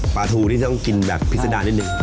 ปลาทูนี่ต้องกินแบบพิษดานิดนึง